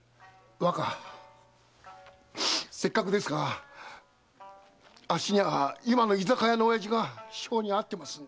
若せっかくですがあっしには今の居酒屋のおやじが性に合ってまして。